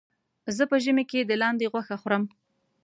زه په ژمي کې د لاندې غوښه خورم.